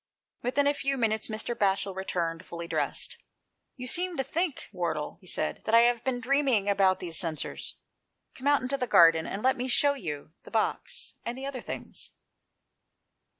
Within a few minutes Mr. Batchel returned fully dressed. " You seem to think, Wardle," he said, " that I have been dreaming about these censers. Come out into the garden and let me shew you the box and the other things."